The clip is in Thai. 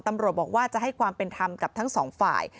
ตำรวจบอกว่าจะให้ความเป็นธรรมกับทั้งสองฝ่าย